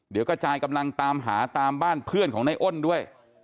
เดี๋ยวกระจายกำลังตามหาตามบ้านเพื่อนของในอ้นด้วย